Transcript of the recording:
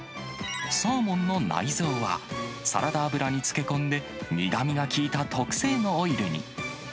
サーモンの内臓は、サラダ油に漬け込んで、苦みが効いた特性のオイルに。